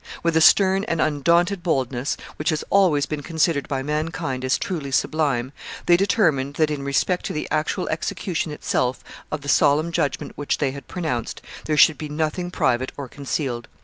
With a stern and undaunted boldness, which has always been considered by mankind as truly sublime, they determined that, in respect to the actual execution itself of the solemn judgment which they had pronounced, there should be nothing private or concealed.